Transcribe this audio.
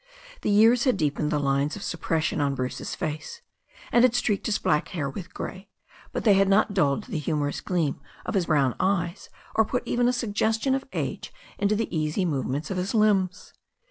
The years had deepened the lines of suppression om Bruce's face, and had streaked his black hair with grey, but they had not dulled the humorous gleam of his brown eyes, or put even a suggestion of age into the easy move ments of his limbs.